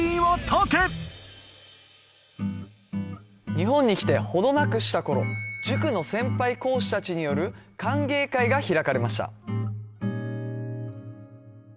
日本に来て程なくした頃塾の先輩講師達による歓迎会が開かれました